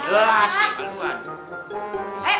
jelas sih kak luan